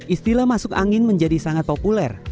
istilah masuk angin menjadi sangat populer